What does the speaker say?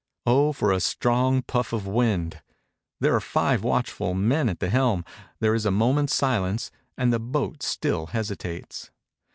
Oh, for a strong puff of wind! There are five watchful men at the helm; there is a moment's silence, and the boat still hesitates.